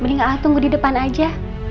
mending a'a tunggu di depan aja